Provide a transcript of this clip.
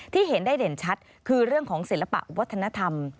เห็นได้เด่นชัดคือเรื่องของศิลปะวัฒนธรรม